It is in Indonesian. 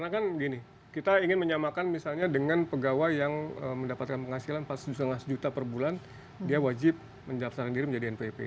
karena kan gini kita ingin menyamakan misalnya dengan pegawai yang mendapatkan penghasilan empat lima juta per bulan dia wajib mendaftarkan diri menjadi npp